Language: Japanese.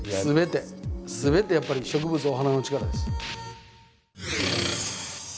すべてやっぱり植物お花の力です。